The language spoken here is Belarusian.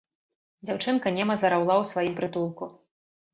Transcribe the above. Дзяўчынка нема зараўла ў сваім прытулку.